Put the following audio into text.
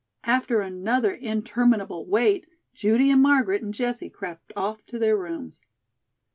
After another interminable wait, Judy and Margaret and Jessie crept off to their rooms.